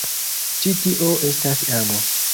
Ĉi tio estas amo.